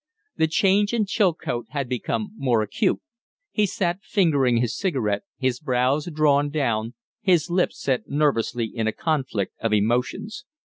The change in Chilcote had become more acute; he sat fingering his cigarette, his brows drawn down, his lips set nervously in a conflict of emotions.